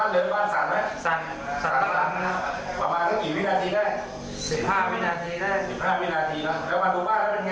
ล้าวหลายจุดหรืออยู่ไหม